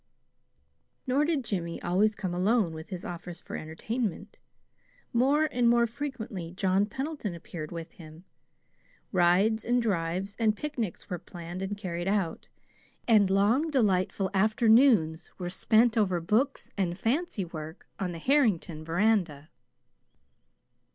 Nor did Jimmy always come alone with his offers for entertainment. More and more frequently John Pendleton appeared with him. Rides and drives and picnics were planned and carried out, and long delightful afternoons were spent over books and fancy work on the Harrington veranda.